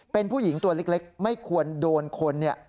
เป็นผู้หญิงตัวเล็กไม่ควรโดนคนเนี่ย